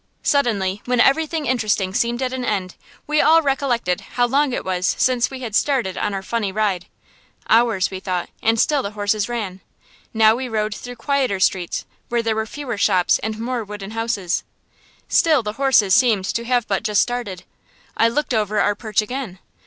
Suddenly, when everything interesting seemed at an end, we all recollected how long it was since we had started on our funny ride. Hours, we thought, and still the horses ran. Now we rode through quieter streets where there were fewer shops and more wooden houses. Still the horses seemed to have but just started. I looked over our perch again.